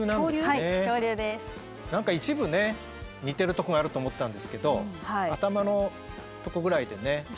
何か一部ね似てるとこがあると思ったんですけど頭のとこぐらいでね